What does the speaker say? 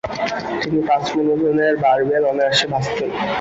তিনি পাঁচ মণ ওজনের বারবেল অনায়াসে ভাঁজতেন।